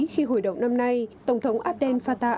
khi hồi đầu năm nay tổng thống abdel fattah al sisi